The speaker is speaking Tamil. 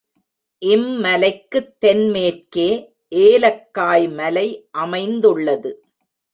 இம் மலைக்குத் தென் மேற்கே ஏலக்காய் மலை அமைந்துள்ளது.